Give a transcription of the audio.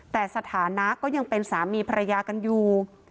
แต่สถานะก็ยังเป็นสามีภรรยากันอยู่